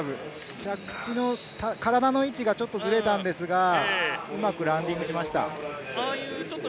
着地の体の位置がちょっとずれたのですが、うまくランディングしました。